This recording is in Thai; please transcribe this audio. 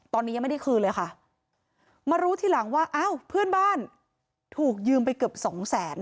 ตอนนี้ยังไม่ได้คืนเลยค่ะมารู้ทีหลังว่าอ้าวเพื่อนบ้านถูกยืมไปเกือบสองแสน